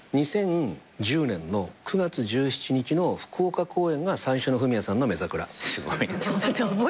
２０１０年の９月１７日の福岡公演が最初のフミヤさんの『めざクラ』すごい。